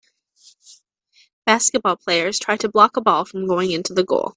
Basketball players try to block a ball from going into the goal.